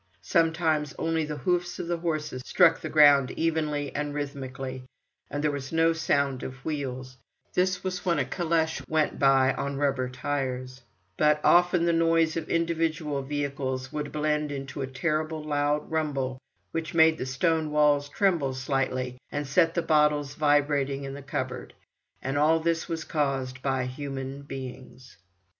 Sometimes only the hoofs of the horses struck the ground evenly and rhythmically, and there was no sound of wheels—this was when a calèche went by on rubber tyres; but often the noise of individual vehicles would blend into a terrible loud rumble, which made the stone walls tremble slightly, and set the bottles vibrating in the cupboard. And all this was caused by human beings!